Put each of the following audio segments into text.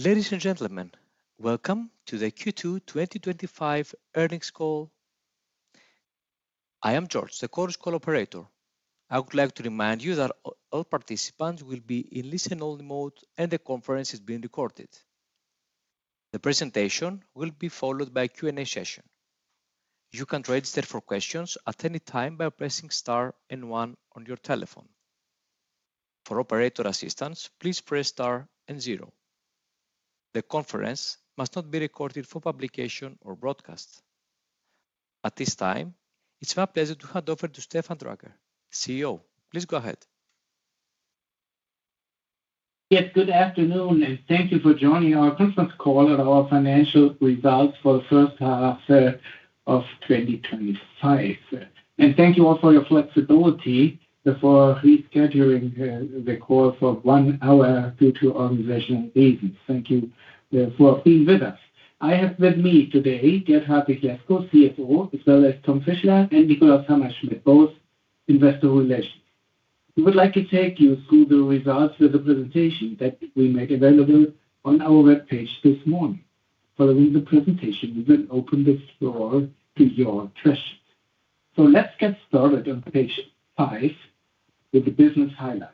Ladies and gentlemen, welcome to the Q2 2025 earnings call. I am George, the Chorus Call operator. I would like to remind you that all participants will be in listen-only mode, and the conference is being recorded. The presentation will be followed by a Q&A session. You can register for questions at any time by pressing star and one on your telephone. For operator assistance, please press star and zero. The conference must not be recorded for publication or broadcast. At this time, it's my pleasure to hand over to Stefan Dräger, CEO. Please go ahead. Yes, good afternoon. Thank you for joining our conference call and our financial results for the first half of 2025. Thank you all for your flexibility for rescheduling the call for one hour due to organizational reasons. Thank you for being with us. I have with me today Gert-Hartwig Lescow, CFO, as well as Tom Fischler and Nikolaus Hammerschmidt, both Investor Relations. We would like to take you through the results of the presentation that we made available on our web page this morning. Following the presentation, we will open the floor to your questions. Let's get started on page five with the business highlights.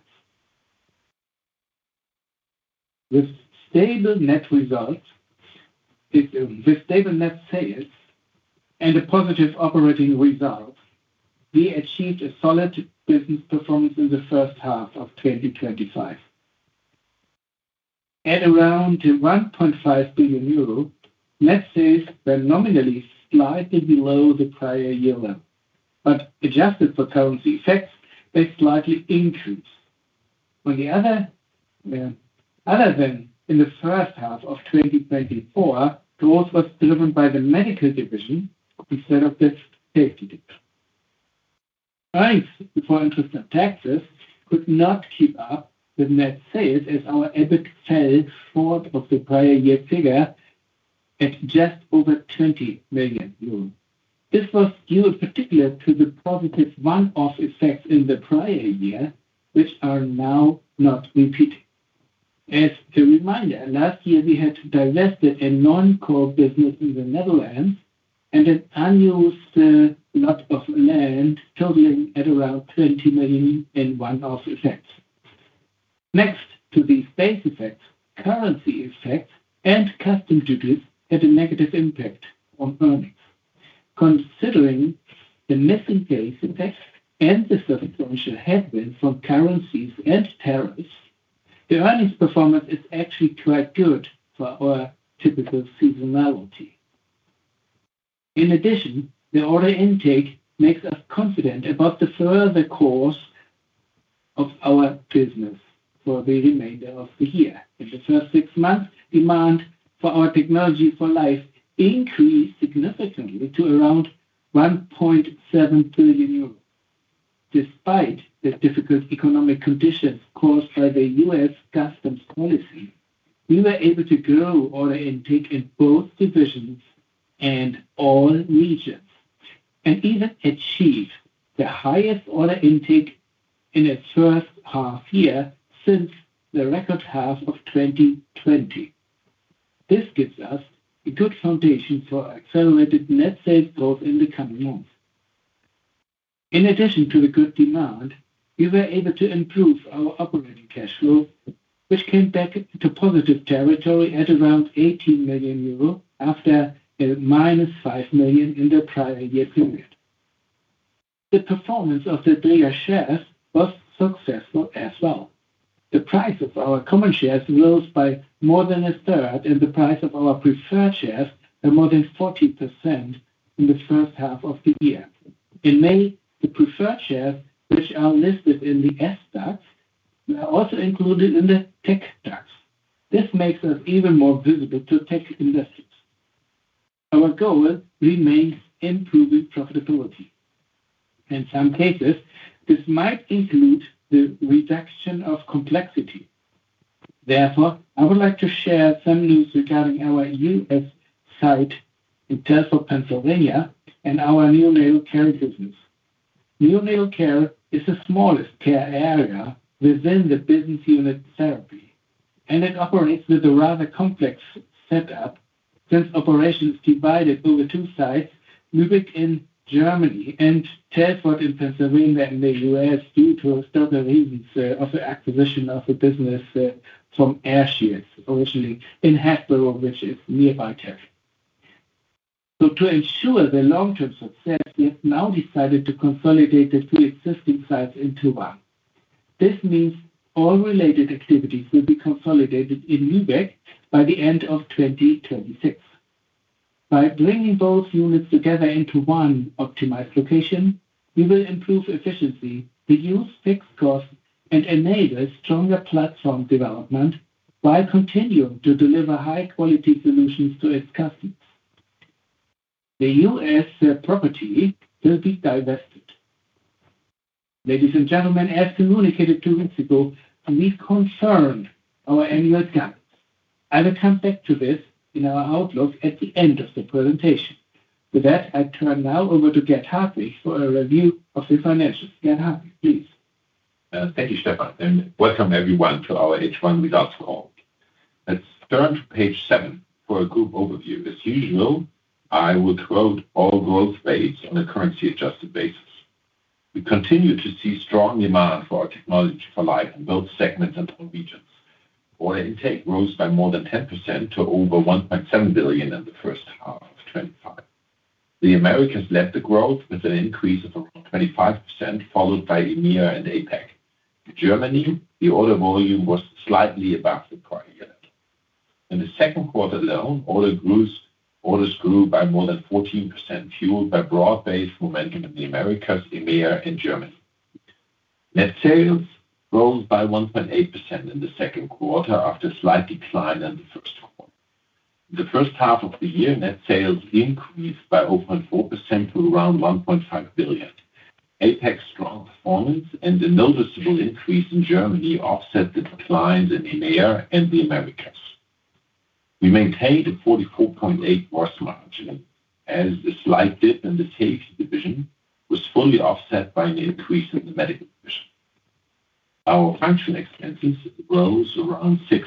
With stable net results, with stable net sales and a positive operating result, we achieved a solid business performance in the first half of 2025. At around 1.5 billion euro, net sales were nominally slightly below the prior year run. Adjusted for currency effects, they slightly increased. On the other hand, in the first half of 2024, growth was driven by the Medical division instead of the Safety division. Earnings before interest and taxes could not keep up with net sales as our EBIT fell short of the prior year figure at just over 20 million euros. This was due particularly to the positive one-off effects in the prior year, which are now not repeated. As a reminder, last year we had divested a non-core business in the Netherlands and an unused lot of land totaling at around 20 million and one-off effects. Next to these base effects, currency effects and customs duties had a negative impact on earnings. Considering the missing case and the substantial headwind from currencies and tariffs, the earnings performance is actually quite good for our typical seasonality. In addition, the order intake makes us confident about the further course of our business for the remainder of the year. In the first six months, demand for our technology for life increased significantly to around 1.7 billion euros. Despite the difficult economic conditions caused by the U.S. customs policy, we were able to grow order intake in both divisions and all regions and even achieve the highest order intake in its first half year since the record half of 2020. This gives us a good foundation for accelerated net sales growth in the coming months. In addition to the good demand, we were able to improve our operating cash flow, which came back into positive territory at around 18 million euro after a -5 million in the prior year figure. The performance of the Dräger shares was successful as well. The price of our common shares rose by more than a third and the price of our preferred shares by more than 40% in the first half of the year. In May, the preferred shares, which are listed in the SDAX, were also included in the TecDAX. This makes us even more visible to tech investors. Our goal remains improving profitability. In some cases, this might include the reduction of complexity. Therefore, I would like to share some news regarding our U.S. site in Telford, Pennsylvania, and our neonatal care business. Neonatal care is the smallest care area within the business unit therapy. It operates with a rather complex setup since operations are divided over two sites, Lübeck in Germany and Telford in Pennsylvania in the U.S., due to several reasons of the acquisition of a business from Air-Shields, originally in Hatboro, which is nearby Telford. To ensure the long-term success, we have now decided to consolidate the two existing sites into one. This means all related activities will be consolidated in Lübeck by the end of 2026. By bringing both units together into one optimized location, we will improve efficiency, reduce fixed costs, and enable a stronger platform development while continuing to deliver high-quality solutions to its customers. The U.S. property will be divested. Ladies and gentlemen, as communicated two weeks ago, we confirm our annual accounts. I will come back to this in our outlook at the end of the presentation. With that, I turn now over to Gert-Hartwig for a review of the financials. Gert-Hart, please. Thank you, Stefan, and welcome everyone to our H1 results call. Let's turn to page seven for a group overview. As usual, I will close all rows based on a currency-adjusted basis. We continue to see strong demand for our technology for life in both segments and all regions. Order intake rose by more than 10% to over 1.7 billion in the first half of 2025. The Americas led the growth with an increase of about 35%, followed by EMEA and APAC. In Germany, the order volume was slightly above the prior year. In the second quarter alone, orders grew by more than 14%, fueled by broad-based momentum in the Americas, EMEA, and Germany. Net sales rose by 1.8% in the second quarter after a slight decline in the first half of the year. Net sales increased by 0.4% to around 1.5 billion. APAC's strong performance and a noticeable increase in Germany offset the declines in EMEA and the Americas. We maintained a 44.8% margin as the slight dip in the Safety division was fully offset by the increase in the Medical division. Our financial expenses rose around 6%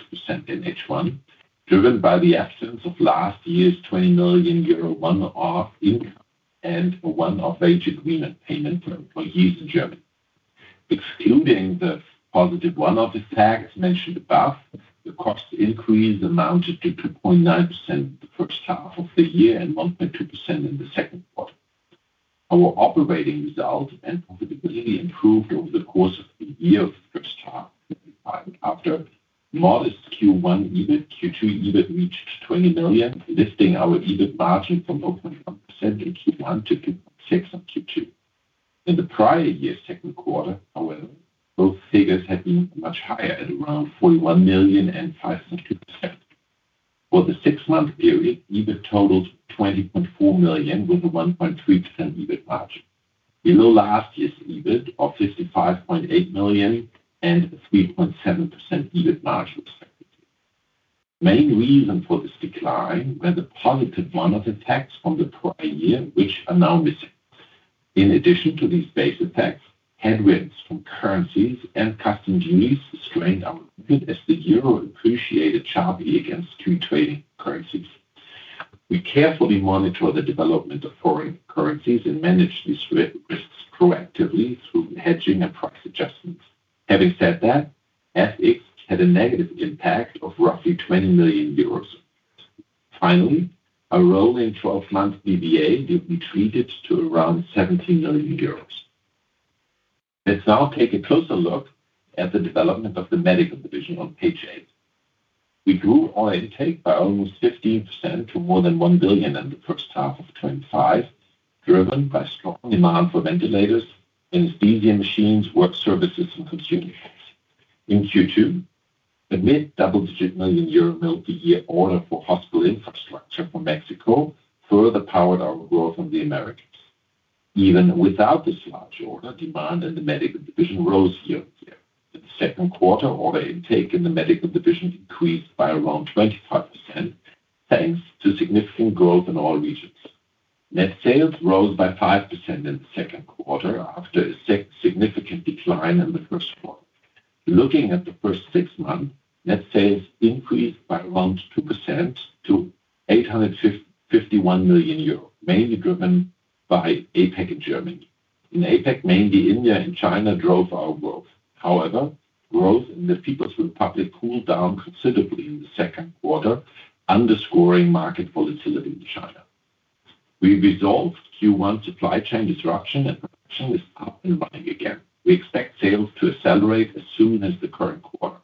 in H1, driven by the absence of last year's 20 million euro one-off unit and a one-off rated unit to employees in Germany. Excluding the positive one-off effect as mentioned above, the cost increase amounted to 2.9%. Operating results improved over the course of the year. After modest Q1 EBIT, Q3 EBIT reached 20 million, lifting our EBIT margin from 0.1% to 1.2% to 6.2% in the prior year figure. For the six-month period, EBIT totaled 20.4 million with a 1.3% EBIT margin. In the last year's period, of 55.8 million and a 3.7% EBIT margin. The main reason for this decline was a positive one-off effect in the first year, which announced it. In addition to these base effects, headwinds from currencies and customs units strained our EBIT as the euro appreciated, job eagerness to trade in currencies. We carefully monitored the development of foreign currencies and managed these relationships proactively through hedging and price adjustments. Having said that, FX had a negative impact of roughly 20 million euros. Finally, our rolling 12-month DVA dipped to around 17 million euros. Let's now take a closer look at the development of the Medical division on page eight. We grew order intake by almost 15% to more than 1 billion in the first half of 2025, driven by stock amounts of ventilators in infusion machines, work services, and consumer shares. In Q2, the net double 6 million euro a year order for hospital infrastructure in Mexico further powered our growth in the Americas. Even without this large order, demand in the Medical division rose year-over-year. The second quarter order intake in the Medical division decreased by around 25%, thanks to significant growth in all regions. Net sales rose by 5% in the second quarter after a significant decline in the first quarter. Looking at the first six months, net sales increased by around 2% to 851 million euros, mainly driven by APAC and Germany. In APAC, mainly India and China drove our growth. However, growth in the People's Republic cooled down considerably in the second quarter, underscoring market volatility in China. We resolved Q1 supply chain disruption and sales for customs in Korea. We expect sales to accelerate as soon as the current quarter.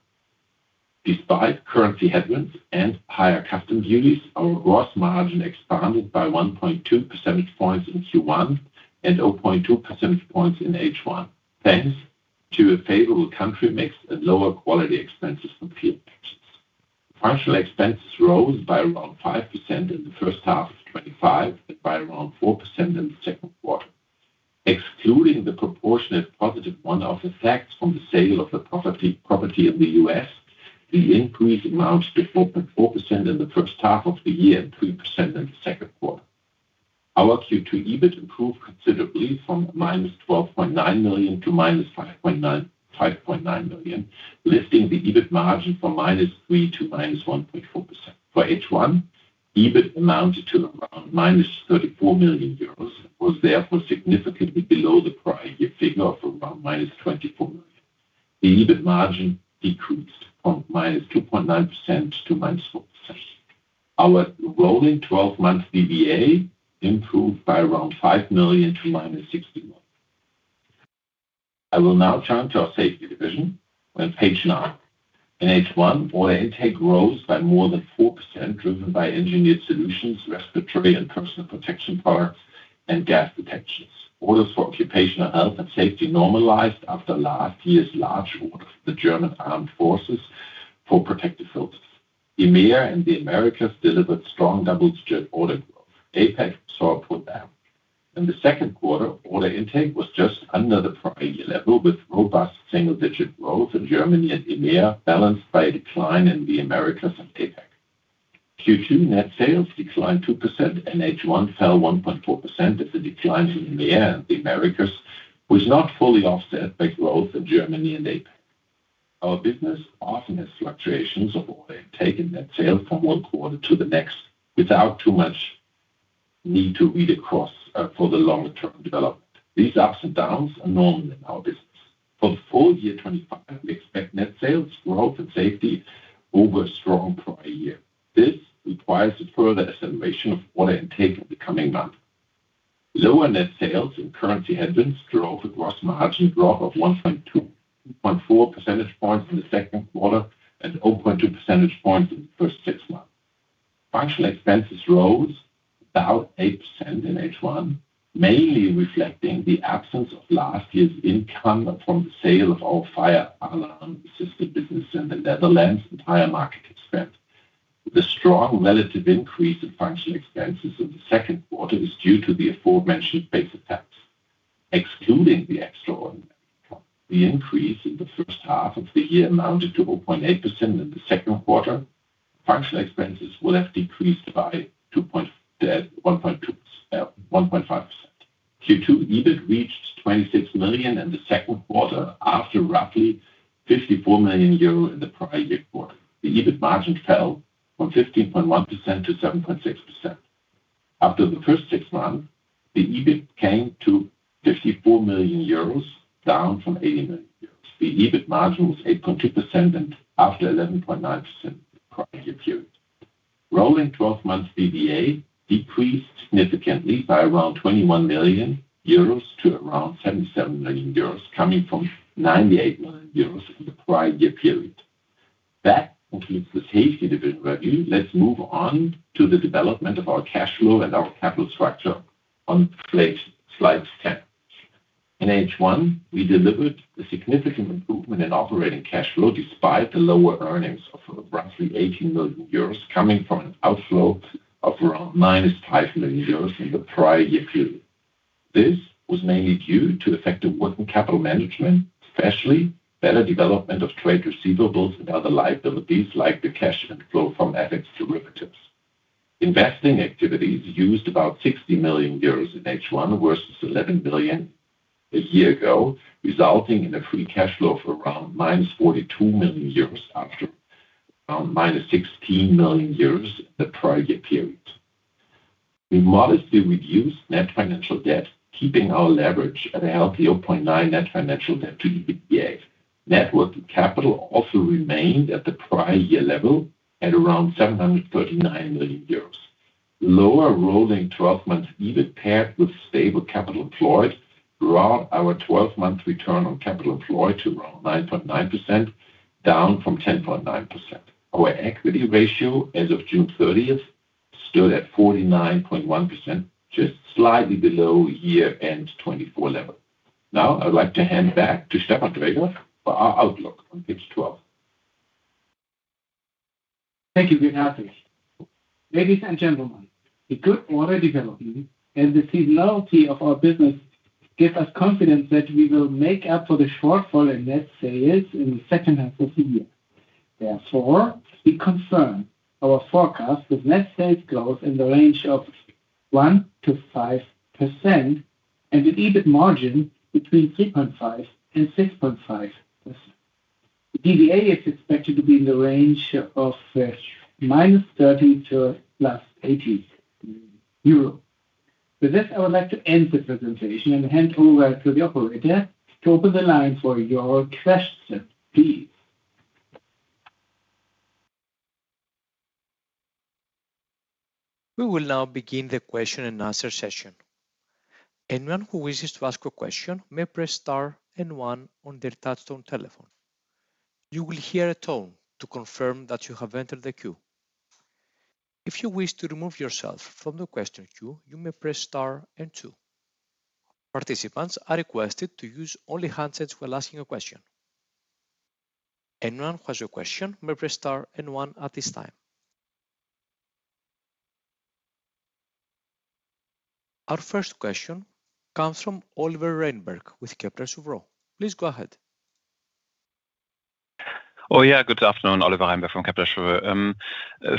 Despite currency headwinds and higher customs duties, our gross margin expanded by 1.2 percentage points in Q1 and 0.2 percentage points in H1, thanks to a favorable country mix and lower quality expenses for field taxes. Personnel expenses rose by 5%. Excluding the proportionate positive one-off effect on the sale of the property in the U.S., the increase amounted to 4.4% in the first half of the year and 3% in the second quarter. Our Q2 EBIT improved considerably from -12.9 million to -5.9 million, lifting the EBIT margin from -3% to -1.4%. For H1, EBIT amounted to -34 million euros per year. The EBIT margin decreased from -2.9% to -4%. Our rolling 12-month DVA improved by around 5 million to -60 million. I will now turn to our Safety division on page nine. In H1, order intake rose by more than 4%, driven by engineered solutions, respiratory and personal protection products, and gas detectors. Orders for occupational health and safety normalized after last year's large order for German Armed Forces for protective filters. EMEA and the Americas delivered strong double-digit order growth. The effect followed with that. In the second quarter, order intake was just under the prior year level with robust single-digit growth in Germany and EMEA, balanced by a decline in the Americas and APAC. Q2 net sales declined 2% and H1 fell 1.4% as the decline to EMEA and the Americas was not fully offset with growth in Germany and APAC. Our business margin is fluctuations of order intake and net sales from one quarter to the next without too much need to read across for the long-term development. These ups and downs are normally enough. For the full year 2025, net sales growth in Safety over a strong prior year. This requires a further acceleration of order intake in the coming months. Lower net sales and currency headwinds drove a gross margin growth of 1.4 percentage points in the second quarter and 0.2 percentage points in the first six months. Personnel expenses rose about 8% in H1, mainly reflecting the absence of last year's income from the sale of all fire arms assisted businesses in the Netherlands and higher market incentives. A strong relative increase in functional expenses in the second quarter is due to the aforementioned base effect. Excluding the H1, the increase in the last year amounted to 0.8% in the second quarter. Functional expenses would have decreased by 2.5%. Q2 EBIT reached 26 million in the second quarter after roughly 54 million euro in the previous quarter. The EBIT margin fell from 15.1% to 7.6%. After the first two trials, the EBIT came to 54 million euros, down from 80 million euros. The EBIT margin was increased to 8.2% after 11.9% for the prior year period. Rolling 12-month DVA decreased significantly by around 21 million euros to around 77 million euros, coming from 98 million euros for the prior year period. That concludes the Safety division review. Let's move on to the development of our cash flow and our funding structure on today's slide of 10. In H1, we delivered a significant improvement in operating cash flow despite the lower earnings of roughly 18 million euros coming from an outflow of around -5 million euros in the prior year period. This was mainly due to effective working capital management, especially better development of free receivables and other liabilities like cash inflow from FX derivatives. Investing activities used about 60 million euros in H1 vs 11 million a year ago, resulting in a free cash flow of around -42 million euros, -16 million euros in the prior year period. We modestly reduced net financial debt, keeping our leverage at a healthy 0.9% net financial debt to EBITDA. Net working capital also remained at the prior year level at around 739 million euros. Lower rolling 12-month EBIT paired with stable capital employed brought our 12-month return on capital employed to around 9.9%, down from 10.9%. Our equity ratio as of June 30th stood at 49.1%, which is slightly below year-end 2024 level. Now I'd like to hand back to Stefan Dräger for our outlook on H1 2024. Thank you, Gert-Hartwig. Ladies and gentlemen, the good order development and the stability of our business give us confidence that we will make up for the shortfall in net sales in the second half of the year. Therefore, we confirm our forecast with net sales growth in the range of 1%-5% and with EBIT margin between 3.5% and 6.5%. The DVA is expected to be in the range of -30 million to + 80 million euro. With this, I would like to end the presentation and hand over to the operator to open the line for your questions, please. We will now begin the question and answer session. Anyone who wishes to ask a question may press star and one on their touchtone telephone. You will hear a tone to confirm that you have entered the queue. If you wish to remove yourself from the question queue, you may press star and two. Participants are requested to use only handsets when asking a question. Anyone who has a question may press star and one at this time. Our first question comes from Oliver Reinberg with Kepler Cheuvreux. Please go ahead. Oh, yeah, good afternoon, Oliver Reinberg from Kepler Cheuvreux.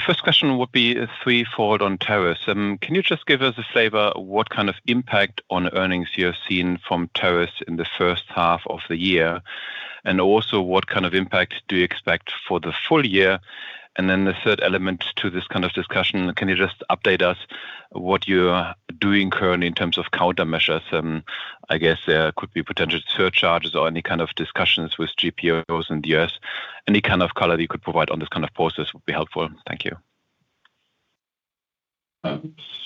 First question would be three-fold on tariffs. Can you just give us a flavor of what kind of impact on earnings you have seen from tariffs in the first half of the year? Also, what kind of impact do you expect for the full year? The third element to this kind of discussion, can you just update us what you're doing currently in terms of countermeasures? I guess there could be potential surcharges or any kind of discussions with GPOs in the U.S. Any kind of color you could provide on this kind of process would be helpful. Thank you.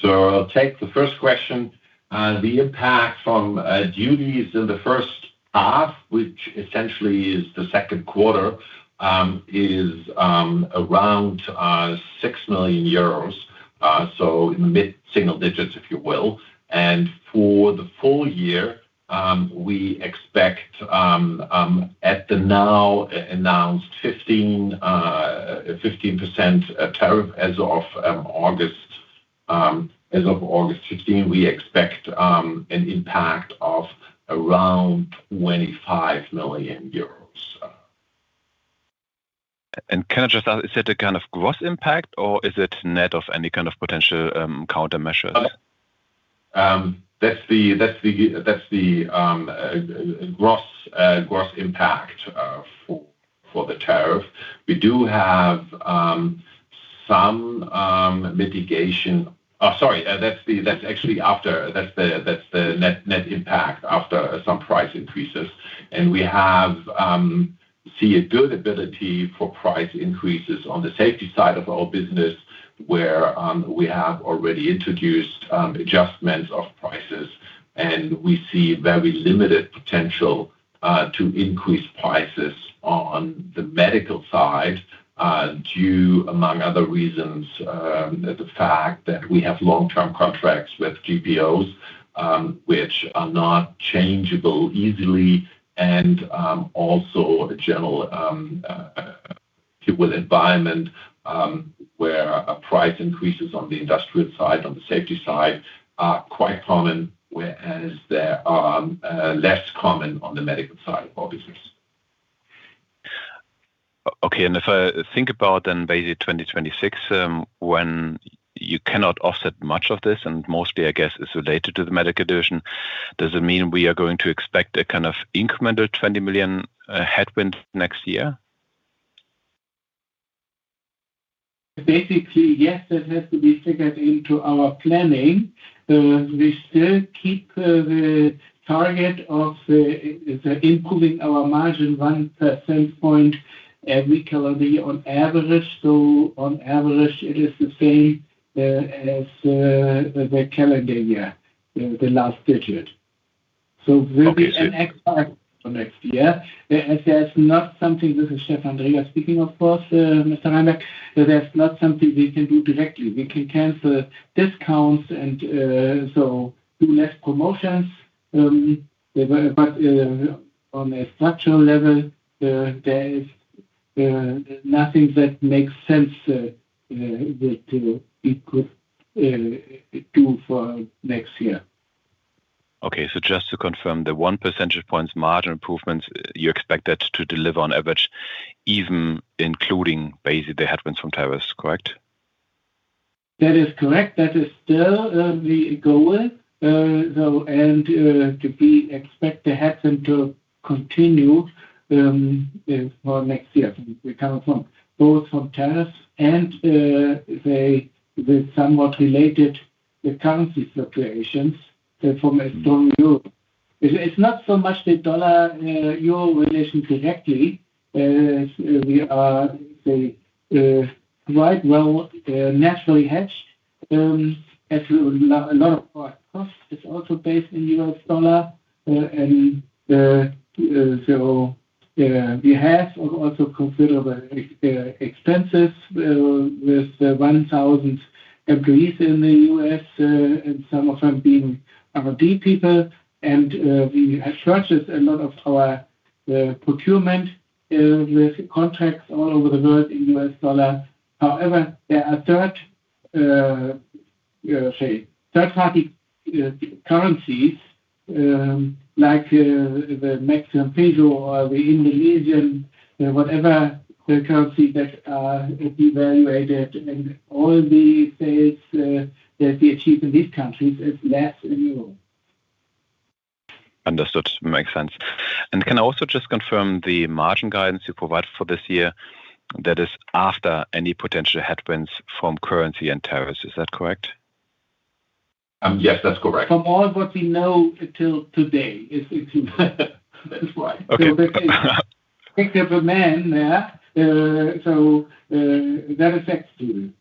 I'll take the first question. The impact from duties in the first half, which essentially is the second quarter, is around 6 million euros, so in the mid-single digits, if you will. For the full year, we expect at the now announced 15% tariff as of August 15. We expect an impact of around EUR 25 million. Is it a kind of gross impact or is it net of any kind of potential countermeasures? That's the gross impact for the tariff. We do have some mitigation. Sorry, that's actually after. That's the net impact after some price increases. We see a durability for price increases on the Safety side of our business where we have already introduced adjustments of prices. We see very limited potential to increase prices on the Medical side due to, among other reasons, the fact that we have long-term contracts with GPOs, which are not changeable easily. Also, a general environment where price increases on the industrial side, on the Safety side, are quite common, whereas they are less common on the Medical side of our business. Okay. If I think about basically 2026, when you cannot offset much of this, and mostly, I guess, is related to the Medical division, does it mean we are going to expect a kind of incremental 20 million headwind next year? Basically, yes, that has to be figured into our planning. We still keep the target of improving our margin 1% every calendar year on average. On average, it is the same as the calendar year in the last period. Very exciting for next year. This is Stefan speaking, but there's not something we can do directly. We can cancel discounts and do less promotions. On a structural level, there's nothing that makes sense to do for next year. Okay. Just to confirm, the 1% margin improvements, you expect that to deliver on average even including basically the headwinds from tariffs, correct? That is correct. That is still the goal. We expect the headwind to continue for next year. We're coming from both from tariffs and the somewhat related currency fluctuations from Europe. It's not so much the dollar-euro relations directly. We are quite well nationally hedged. As we would know, a lot of our cost is also based in the U.S. dollar. We have also considerable expenses with 1,000 employees in the U.S., and some of them being R&D people. We have structured a lot of our procurement with contracts all over the world in U.S. dollar. However, there are third-party currencies like the Mexican peso or the Indonesian or whatever the currency that are devaluated. All the stakes that we achieve in these countries is less in euros. Understood. Makes sense. Can I also just confirm the margin guidance you provide for this year? That is after any potential headwinds from currency and tariffs. Is that correct? Yes, that's correct. From all what we know until today, it's not. That's right. Okay, they remain there. That affects you.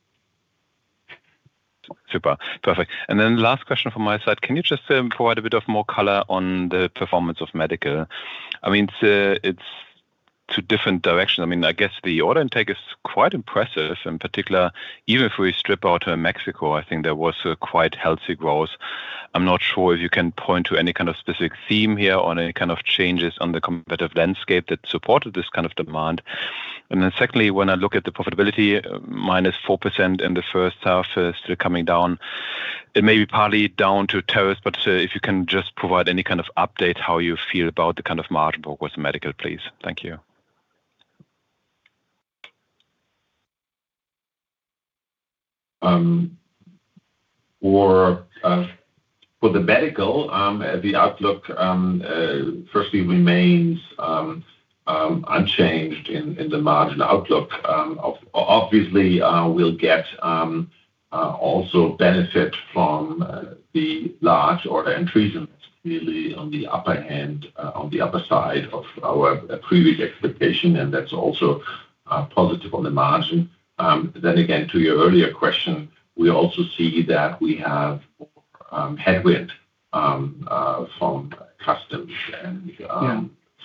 Super. Perfect. Last question from my side. Can you just provide a bit more color on the performance of Medical? It's two different directions. I guess the order intake is quite impressive. In particular, even if we strip out Mexico, I think there was quite healthy growth. I'm not sure if you can point to any kind of specific theme here or any kind of changes on the competitive landscape that supported this kind of demand. Secondly, when I look at the profitability, -4% in the first half is still coming down. It may be partly down to tariffs, but if you can just provide any kind of update how you feel about the kind of margin for Medical, please. Thank you. For the Medical, the outlook firstly remains unchanged in the margin outlook. Obviously, we'll get also benefit from large order increases. On the upper hand, on the upper side of our previous expectation, and that's also positive on the margin. To your earlier question, we also see that we have headwinds from construction,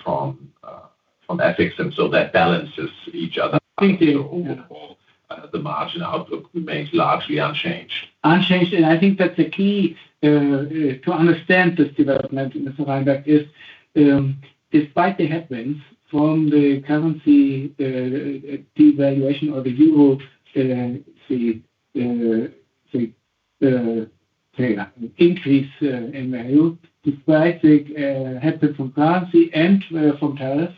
from ethics, and so that balances each other. I think in all, the margin outlook remains largely unchanged. Unchanged. I think that's a key to understand this development. Despite the headwinds from the currency devaluation or the euro increase in value, despite the headwind from currency and from tariffs,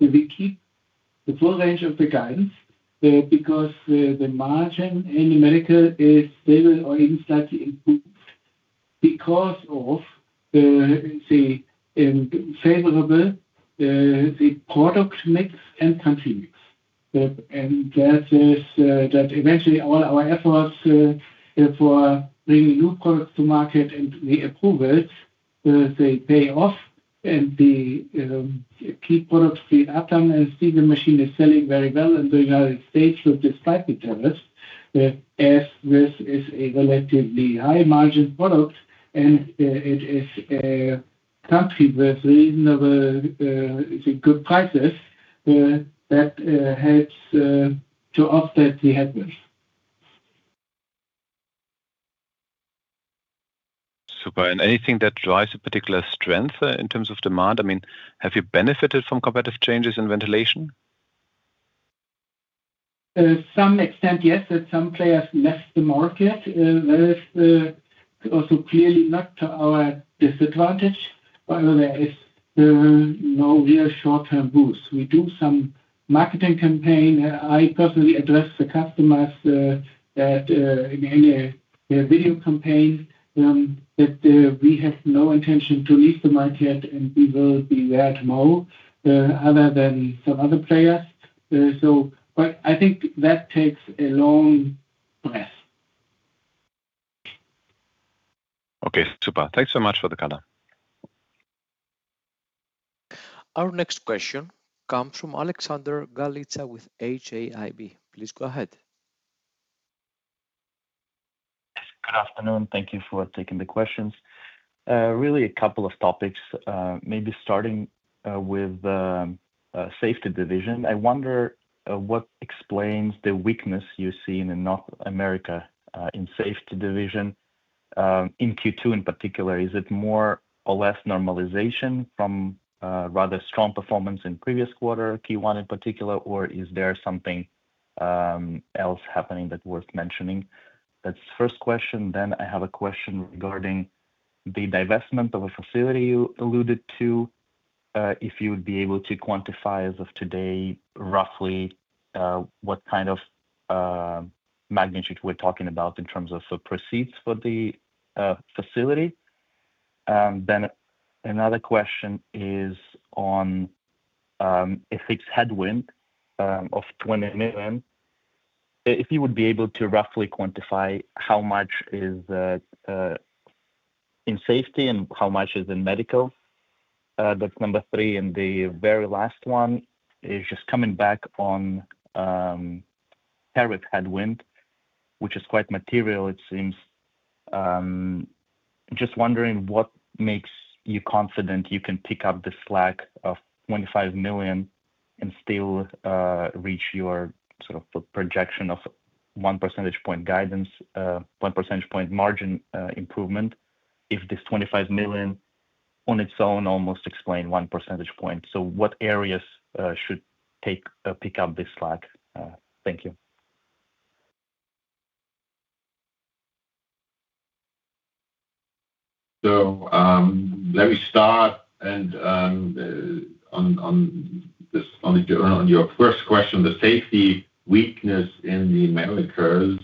we keep the full range of the guidance because the margin in the Medical is still or even slightly improved because of the favorable product mix and country mix. That is that eventually all our efforts for bringing new products to market and the approvals pay off. The key products we have done is steam and machine is selling very well in the United States. Despite the tariffs, as this is a relatively high-margin product and it is a country with reasonable, good prices, that helps to offset the headwinds. Super. Is there anything that drives a particular strength in terms of demand? I mean, have you benefited from competitive changes in ventilation? To some extent, yes. Some players left the market. That is also clearly not to our disadvantage. By the way, it's no real short-term boost. We do some marketing campaign. I personally address the customers that in any video campaign that we have no intention to leave the market and we will be there tomorrow other than some other players. I think that takes a long breath. Okay. Super. Thanks so much for the color. Our next question comes from Alexander Galitsa with HAIB. Please go ahead. Yes. Good afternoon. Thank you for taking the questions. Really, a couple of topics. Maybe starting with the Safety division. I wonder what explains the weakness you see in North America in the Safety division in Q2 in particular. Is it more or less normalization from rather strong performance in the previous quarter, Q1 in particular, or is there something else happening that's worth mentioning? That's the first question. I have a question regarding the divestment of a facility you alluded to. If you would be able to quantify as of today roughly what kind of magnitude we're talking about in terms of proceeds for the facility. Another question is on FX headwind of 20 million. If you would be able to roughly quantify how much is in Safety and how much is in Medical. That's number three. The very last one is just coming back on tariff headwind, which is quite material, it seems. Just wondering what makes you confident you can pick up this slack of 25 million and still reach your sort of projection of 1% guidance, 1% margin improvement if this 25 million on its own almost explains 1 percentage point. What areas should pick up this slack? Thank you. Let me start. On your first question, the Safety weakness in the Americas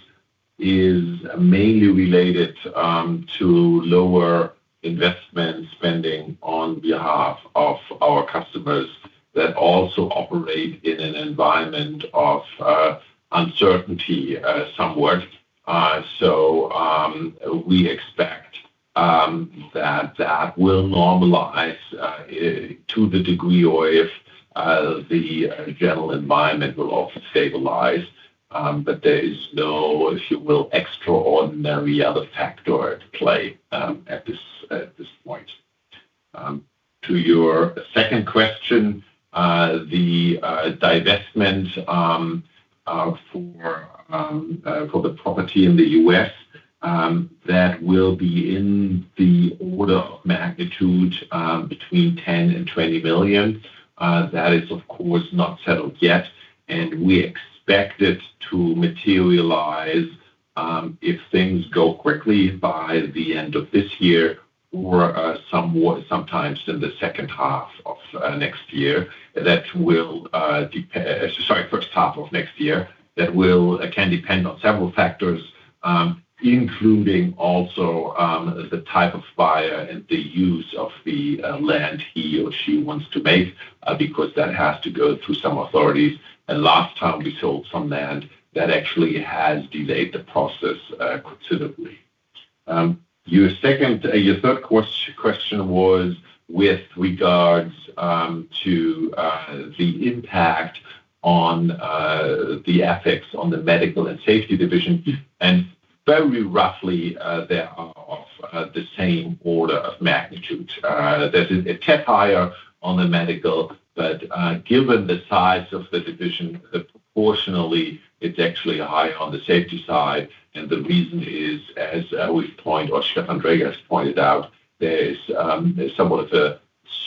is mainly related to lower investment spending on behalf of our customers that also operate in an environment of uncertainty somewhat. We expect that will normalize to the degree or if the general environment will also stabilize. There is no, if you will, extraordinary other factor at play. To your second question, the divestment for the property in the U.S., that will be in the order of magnitude between 10 million and 20 million. That is, of course, not settled yet. We expect it to materialize if things go quickly by the end of this year or sometimes in the first half of next year. That can depend on several factors, including also the type of buyer and the use of the land he or she wants to make, because that has to go to some authorities. Last time we sold some land, that actually delayed the process considerably. Your third question was with regards to the impact on the FX on the Medical and Safety division. Very roughly, they are of the same order of magnitude. That is a tad higher on the Medical, but given the size of the division, proportionately, it's actually higher on the Safety side. The reason is, as we point, or Stefan Dräger has pointed out, there is somewhat of a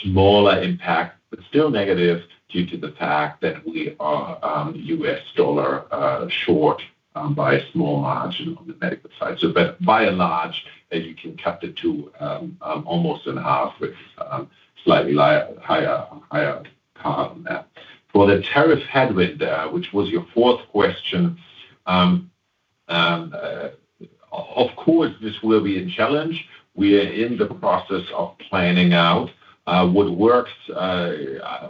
smaller impact, but still negative, due to the fact that we are U.S. dollar short by a small margin. By and large, we can cut it to almost and a half with slightly higher column there. For the tariff headwind, which was your fourth question, this will be a challenge. We are in the process of planning out what works.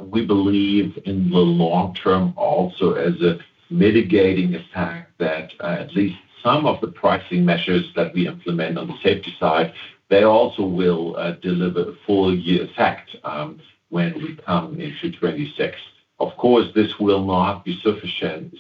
We believe in the long term also as a mitigating effect that at least some of the pricing measures that we implement on the Safety side, they also will deliver a full-year effect when we come in 2026. This will not be sufficient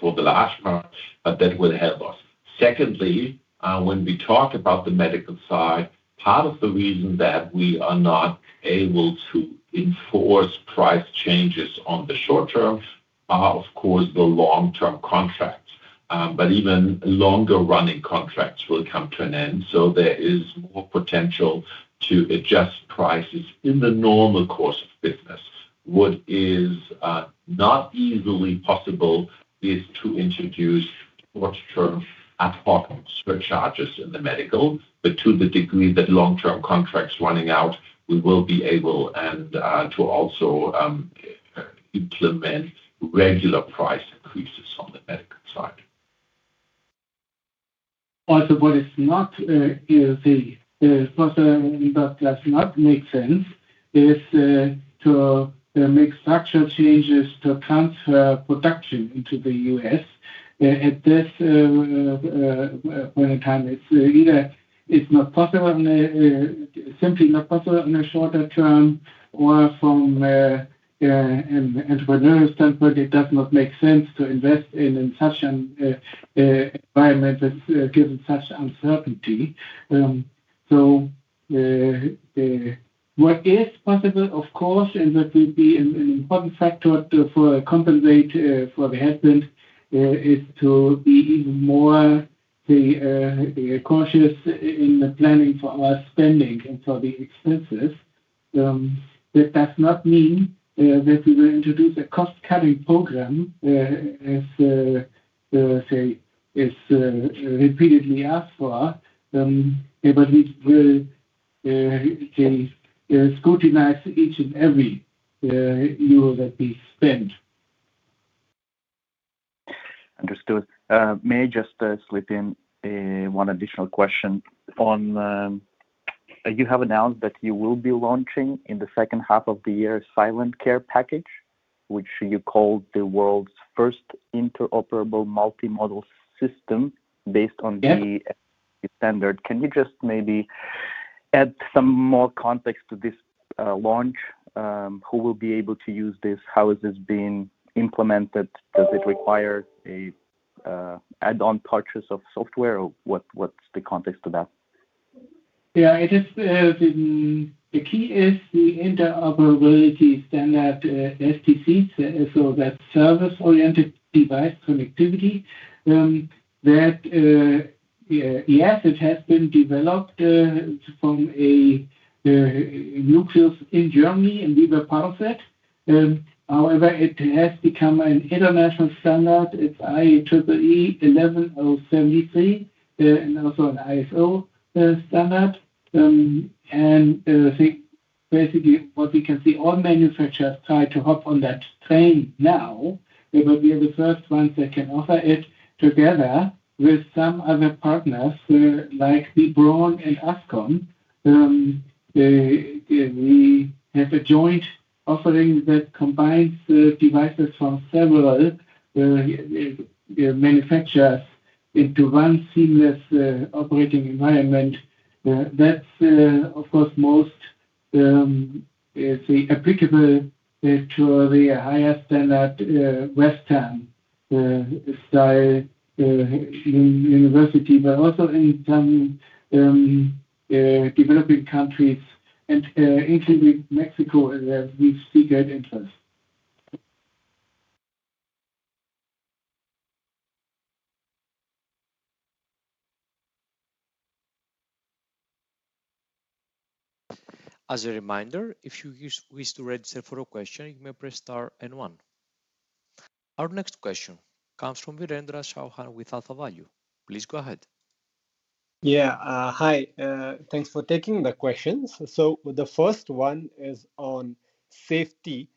for the last part, but that will help us. Secondly, when we talk about the Medical side, part of the reason that we are not able to enforce price changes on the short term are, of course, the long-term contracts. Even longer running contracts will come to an end. There is more potential to adjust prices in the normal course of business. What is not easily possible is to introduce short-term ad hoc surcharges in the Medical. To the degree that long-term contracts are running out, we will be able to also implement regular price increases on the Medical side. Also, what is not easy is possible, but does not make sense is to make structural changes to transfer production into the U.S. At this, when it comes, it's either it's not possible, simply not possible in a shorter term, or from an entrepreneurial standpoint, it does not make sense to invest in such an environment given such uncertainty. What is possible, of course, and would be an important factor for compensating for the headwind is to be even more cautious in the planning for our spending and for the expenses. That does not mean that we will introduce a cost-cutting program as repeatedly asked for, but we will scrutinize each and every euro that we spend. Understood. May I just slip in one additional question? You have announced that you will be launching in the second half of the year a Silent Care Package, which you called the world's first interoperable multimodal system based on the standard. Can you just maybe add some more context to this launch? Who will be able to use this? How has this been implemented? Does it require an add-on purchase of software? What's the context to that? Yeah, the key is the interoperability standard SDC, so that's service-oriented device connectivity. Yes, it has been developed from a nucleus in Germany and we will parse it. However, it has become an international standard. It's IEEE 11073 and also an ISO standard. I think basically what we can see, all manufacturers try to hop on that train now, but we are the first ones that can offer it together with some other partners like B. Braun and Ascom. We have a joint offering that combines the devices from several manufacturers into one seamless operating environment. That's, of course, most applicable to the higher standard Western-style universities, but also in some developing countries. Incidentally, Mexico is a big seeker interest. As a reminder, if you wish to register for a question, you may press star and one. Our next question comes from Virendra Chauhan with AlphaValue. Please go ahead. Yeah. Hi. Thanks for taking the questions. The first one is on Safety,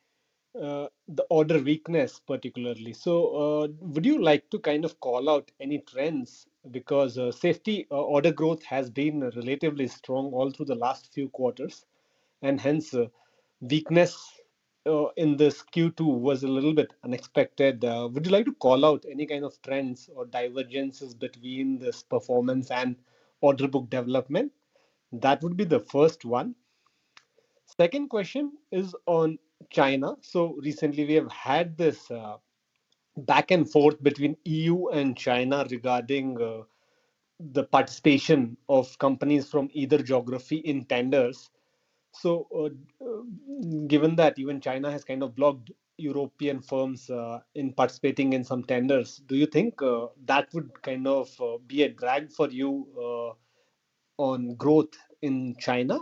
the order weakness particularly. Would you like to kind of call out any trends? Safety order growth has been relatively strong all through the last few quarters, and hence, weakness in this Q2 was a little bit unexpected. Would you like to call out any kind of trends or divergences between this performance and order book development? That would be the first one. Second question is on China. Recently, we have had this back and forth between the EU and China regarding the participation of companies from either geography in tenders. Given that even China has kind of blocked European firms in participating in some tenders, do you think that would kind of be a drag for you on growth in China?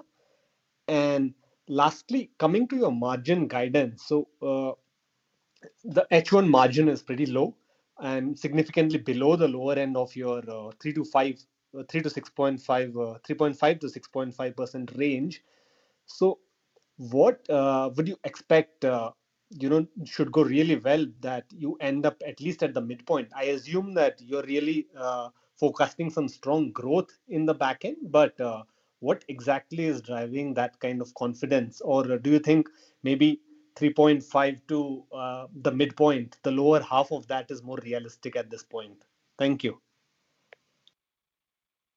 Lastly, coming to your margin guidance, the H1 margin is pretty low and significantly below the lower end of your 3.5%-6.5% range. What would you expect should go really well that you end up at least at the midpoint? I assume that you're really forecasting some strong growth in the back end, but what exactly is driving that kind of confidence? Or do you think maybe 3.5% to the midpoint, the lower half of that, is more realistic at this point? Thank you.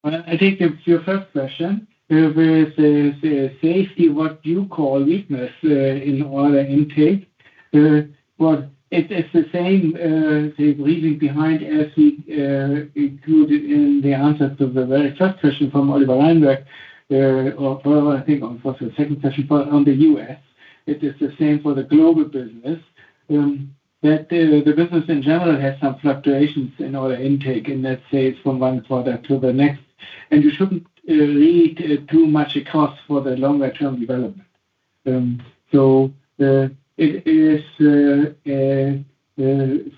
I think in your first question, there is a Safety, what you call, weakness in order intake. It is the same reason behind as we include in the answer to the very first question from Oliver Reinberg, or I think on the second question on the U.S. It is the same for the global business. The business in general has some fluctuations in order intake, and that shifts from one quarter to the next. You shouldn't read too much across for the longer-term development. It is a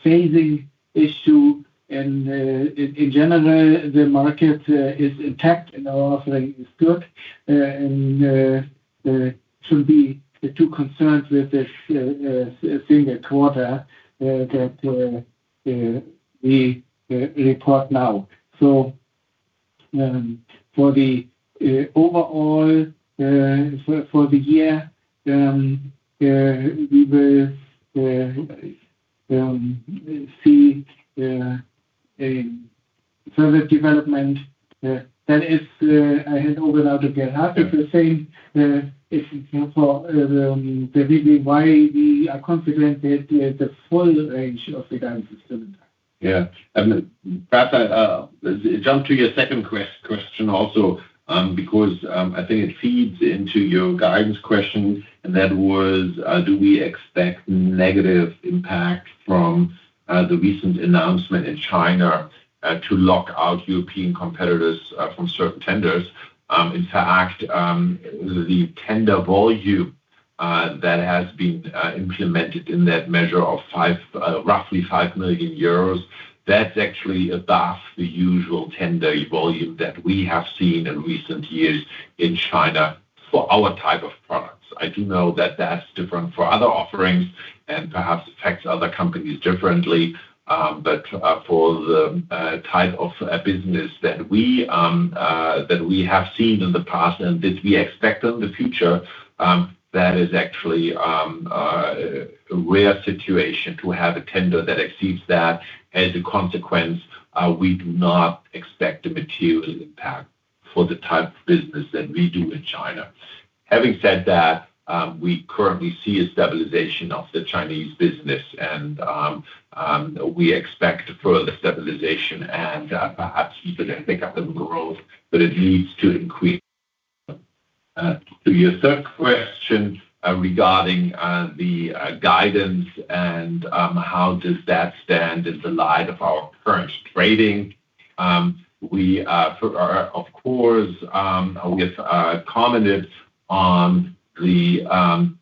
phasing issue. In general, the market is adept and our offering is good. You shouldn't be too concerned with this single quarter that we report now. For the overall, as well as for the year, we will see further development. I hand over now to Gert-Hartwig for the same. It's in terms of the reason why we are confident that there is the full range of the guidance intact. Yeah. Perhaps I'll jump to your second question also because I think it feeds into your guidance question. That was, do we expect negative impacts from the recent announcement in China to lock out European competitors from certain tenders. In fact, the tender volume that has been implemented in that measure of roughly 5 million euros, that's actually above the usual tender volume that we have seen in recent years in China for our type of products. I do know that that's different for other offerings and perhaps affects other companies differently. For the type of business that we have seen in the past and that we expect in the future, that is actually a rare situation to have a tender that exceeds that. As a consequence, we do not expect it to be too impactful for the type of business that we do in China. Having said that, we currently see a stabilization of the Chinese business, and we expect further stabilization and perhaps even revenues to increase. Your third question regarding the guidance and how does that stand in the light of our current trading, we are, of course, commented on the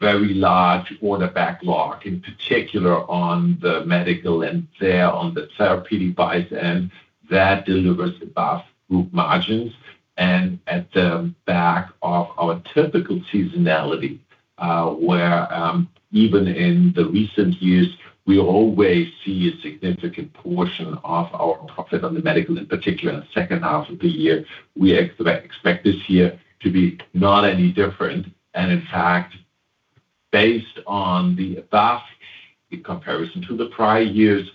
very large order backlog, in particular on the medical and therapeutic buys, and that delivers enough group margins. At the back of our typical seasonality, where even in the recent years, we always see a significant portion of our profit on the Medical, in particular, the second half of the year. We expect this year to be not any different. In fact, based on the above in comparison to the prior years,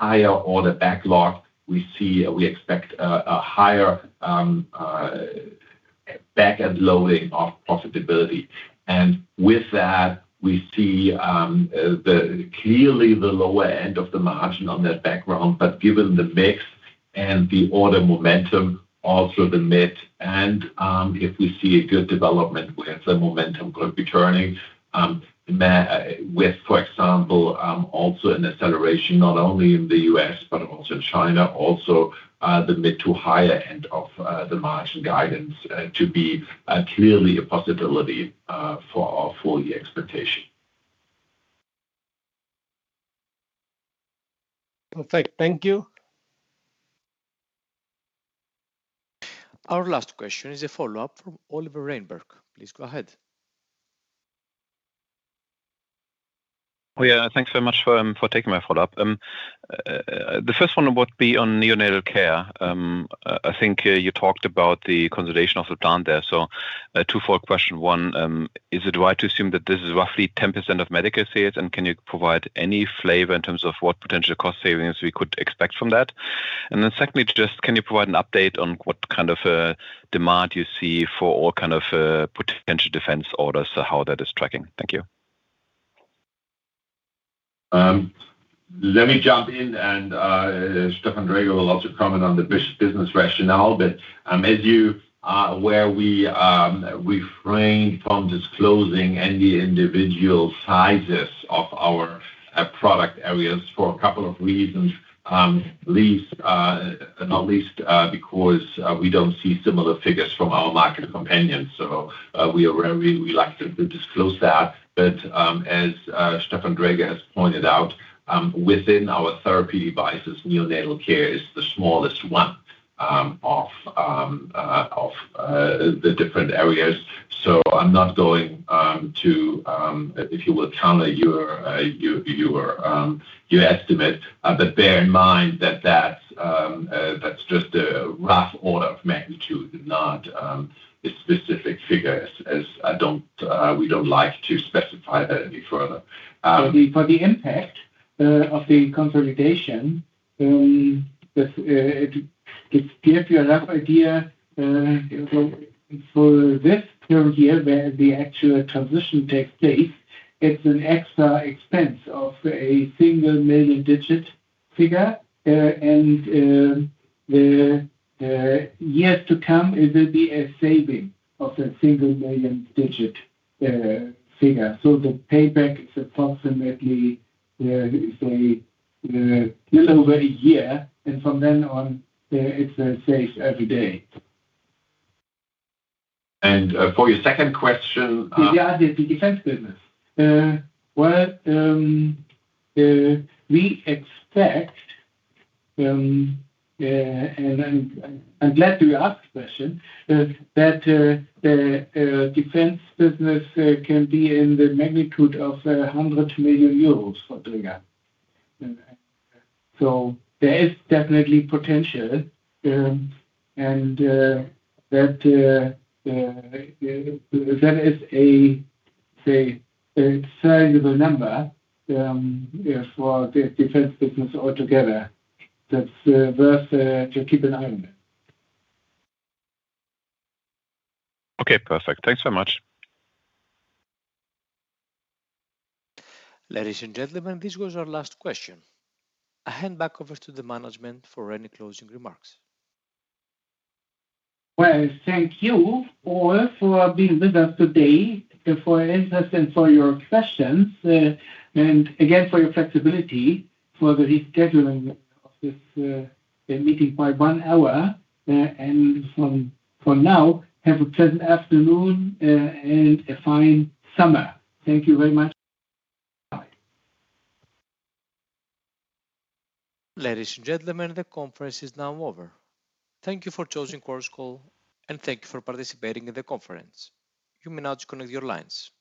higher order backlog, we expect a higher backend loading of profitability. With that, we see clearly the lower end of the margin on that background. Given the mix and the order momentum, also the mix, and if we see a good development, the momentum could be turning with, for example, also an acceleration not only in the U.S., but also in China, also the mid to higher end of the margin guidance to be clearly a possibility for our full-year expectation. Perfect. Thank you. Our last question is a follow-up from Oliver Reinberg. Please go ahead. Thanks very much for taking my follow-up. The first one would be on neonatal care. I think you talked about the consolidation of the plan there. Two-fold question. One, is it right to assume that this is roughly 10% of Medical sales? Can you provide any flavor in terms of what potential cost savings we could expect from that? Secondly, can you provide an update on what kind of demand you see for all kind of potential defense orders? How that is tracking? Thank you. Let me jump in, and Stefan Dräger will also comment on the business rationale. As you are aware, we refrain from disclosing any individual sizes of our product areas for a couple of reasons, not least because we don't see similar figures from our market companions. We are very reluctant to disclose that. As Stefan Dräger has pointed out, within our therapeutic devices, neonatal care is the smallest one of the different areas. I'm not going to, if you will, counter your estimate. Bear in mind that that's just a rough order of magnitude, not specific figures. We don't like to specify that any further. For the impact of the consolidation, to give you a rough idea, for this period of year, where the actual transition tax saves, it's an extra expense of a single million-digit figure. In the years to come, it will be a saving of that single million-digit figure. The payback is approximately, if I say, a little over a year. From then on, it's a safe every day. For your second question? Is the other the defense business? I’m glad you ask the question, that the defense business can be in the magnitude of 100 million euros for Dräger. There is definitely potential, and that is a, say, a sizable number for the defense business altogether. That's worth to keep an eye on. Okay. Perfect. Thanks very much. Ladies and gentlemen, this was our last question. I hand back over to the management for any closing remarks. Thank you all for being with us today, for answers and for your questions. Again, for your flexibility for the rescheduling of this meeting by one hour. From now, have a pleasant afternoon and a fine summer. Thank you very much. Ladies and gentlemen, the conference is now over. Thank you for choosing Chorus Call, and thank you for participating in the conference. You may now disconnect your lines. Goodbye.